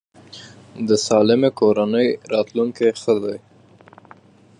د سالمې کورنۍ راتلونکی ښه دی.